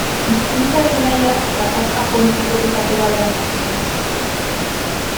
Hizkuntzaren gaia gatazka politikotik atera behar da, ados.